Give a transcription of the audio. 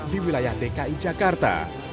di wilayah dki jakarta